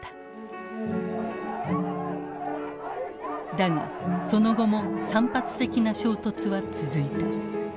だがその後も散発的な衝突は続いた。